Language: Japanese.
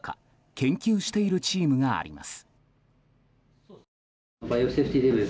研究しているチームがあります。